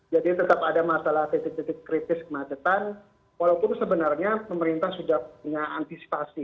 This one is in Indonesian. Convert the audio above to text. jadi tetap ada masalah titik titik kritis kemacetan walaupun sebenarnya pemerintah sudah punya antisipasi